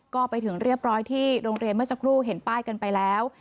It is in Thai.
ก็ไปถึงเรียบร้อยที่โรงเรียนเมื่อสักครู่เห็นป้ายกันไปแล้ว